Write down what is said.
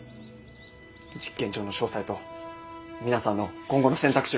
実験場の詳細と皆さんの今後の選択肢を。